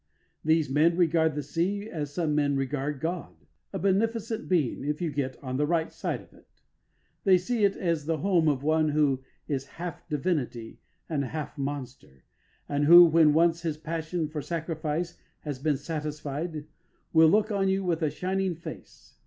These men regard the sea as some men regard God a beneficent being, if you get on the right side of it. They see it as the home of one who is half divinity and half monster, and who, when once his passion for sacrifice has been satisfied, will look on you with a shining face.